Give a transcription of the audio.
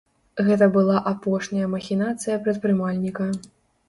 Гэта была апошняя махінацыя прадпрымальніка.